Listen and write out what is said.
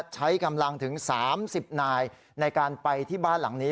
ใช้กำลังถึง๓๐นายในการไปที่บ้านหลังนี้